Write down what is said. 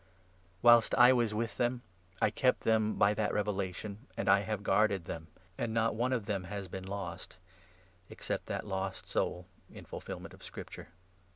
Whilst I was with them, I it kept them by that revelation, and I have guarded them ; and not one of them has been lost, except that lost soul — in fulfil ment.of Scripture.